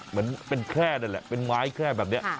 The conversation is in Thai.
เหมือนเป็นแค่นั่นแหละเป็นไม้แค่แบบนี้